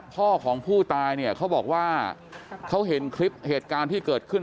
พ่อของผู้ตายเนี่ยเขาบอกว่าเขาเห็นคลิปเหตุการณ์ที่เกิดขึ้น